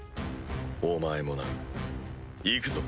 お前もな。いくぞ！